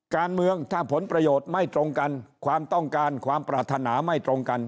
การเมืองถ้าผลประโยชน์ไม่ตรงกันความต้องการความปรารถนาไม่ตรงกัน